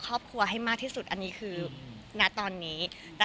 แต่ก็ไม่ได้คิดว่ารีบขนาดนั้นเอาชัวร์ดีกว่า